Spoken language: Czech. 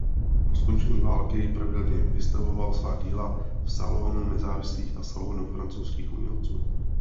Po skončení války pravidelně vystavoval svá díla v Salonu nezávislých a Salonu francouzských umělců.